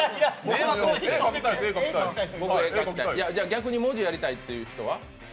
逆に文字やりたいっていう人は？